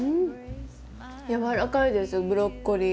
軟らかいですブロッコリー。